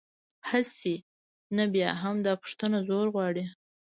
هسې، نه بیا هم، دا پوښتنه زور غواړي.